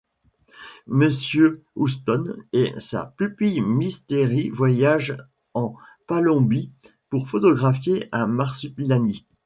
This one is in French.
Mr Houston et sa pupille Miss Terry voyagent en Palombie pour photographier un Marsupilami.